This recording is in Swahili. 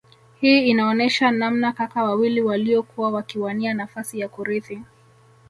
Hii inaonesha namna kaka wawili waliokuwa wakiwania nafasi ya kurithi